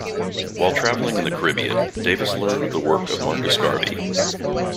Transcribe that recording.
While traveling in the Caribbean, Davis learned of the work of Marcus Garvey.